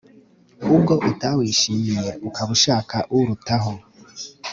ubwo utawishimiye, ukaba ushaka urutaho